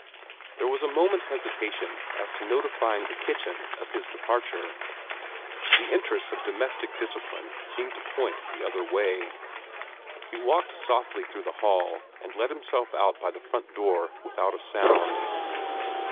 There was a moment's hesitation as to notifying the kitchen of his departure. The interests of domestic discipline seemed to point the other way. He walked softly through the hall, and let himself out by the front door without a sound.